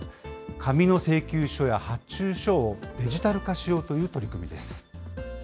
紙の請求書や発注書をデジタル化しようという取り組みです。